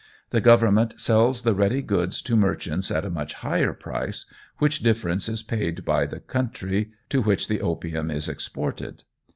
The Government sells the ready goods to merchants at a much higher price, which difference is paid by the country to which the opium is exported.